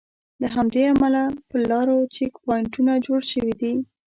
له همدې امله پر لارو چیک پواینټونه جوړ شوي دي.